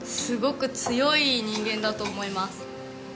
すごく強い人間だと思います。